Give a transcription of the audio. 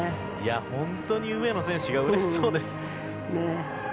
本当に上野選手がうれしそうです。